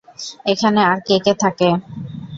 এখানে আর কে কে থাকে?